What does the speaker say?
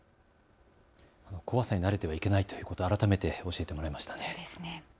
怖さに慣れてはいけないということを改めて教えてもらいました。